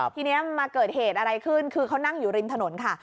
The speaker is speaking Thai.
ทีนี้มาเกิดเหตุอะไรขึ้นคือเขานั่งอยู่ริมถนนค่ะ